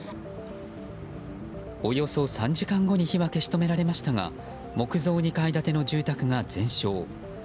およそ３時間後に火は消し止められましたが木造２階建ての住宅が全焼。